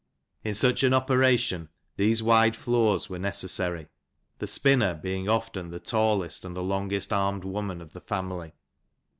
In such an operation, tk^"5»<5k ^\^^ VT. floors were necessary, the spinner being often the tallest and the longest armed woman of the family.